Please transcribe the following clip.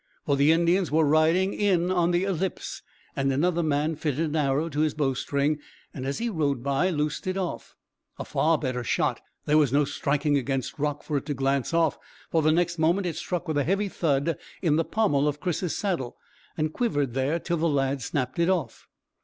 For the Indians were riding on in the ellipse, and another man fitted an arrow to his bowstring, and as he rode by loosed it off. A far better shot. There was no striking against rock for it to glance off, for the next moment it struck with a heavy thud in the pommel of Chris's saddle, and quivered there till the lad snapped it off.